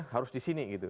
harus di sini gitu